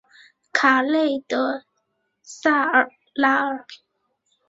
卡内德萨拉尔。